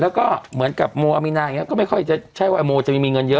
แล้วก็เหมือนกับโมอามีนาอย่างนี้ก็ไม่ค่อยจะใช่ว่าโมจะไม่มีเงินเยอะ